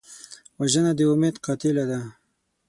وژنه د امید قاتله ده